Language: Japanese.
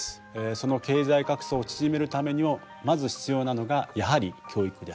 その経済格差を縮めるためにもまず必要なのがやはり教育です。